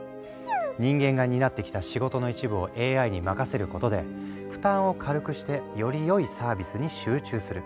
人間が担ってきた仕事の一部をＡＩに任せることで負担を軽くしてよりよいサービスに集中する。